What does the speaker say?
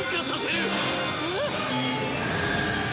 えっ！？